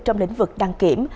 trong lĩnh vực đăng kiểm